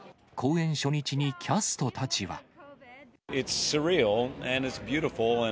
公演初日に、キャストたちは。